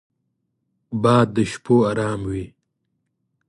باد د شپو ارام دی